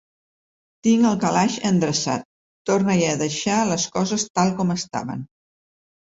Tinc el calaix endreçat: torna-hi a deixar les coses tal com estaven.